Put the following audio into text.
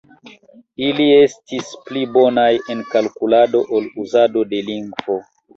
Ili estis pli bonaj en kalkulado ol uzado de lingvo.